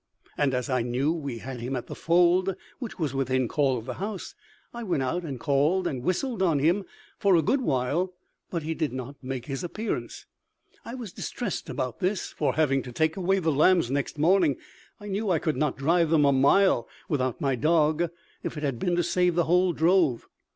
and as I knew we had him at the fold, which was within call of the house, I went out and called and whistled on him for a good while, but he did not make his appearance. I was distressed about this; for, having to take away the lambs next morning, I knew I could not drive them a mile without my dog if it had been to save the whole drove.